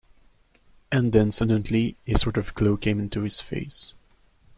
And then suddenly a sort of glow came into his face.